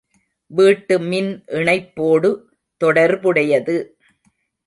வீட்டு மின் இணைப்போடு தொடர்புடையது.